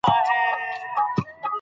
ښوونکي زده کوونکو ته د علم ارزښت بیانوي.